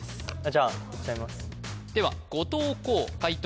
じゃあいっちゃいますでは後藤弘解答